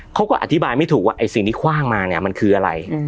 เขาก็อธิบายไม่ถูกว่าไอ้สิ่งที่คว่างมาเนี่ยมันคืออะไร